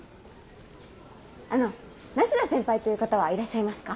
あの梨田先輩という方はいらっしゃいますか？